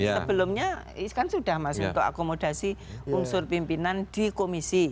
sebelumnya kan sudah mas untuk akomodasi unsur pimpinan di komisi